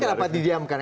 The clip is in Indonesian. tapi kenapa didiamkan